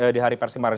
di hari pers kemarin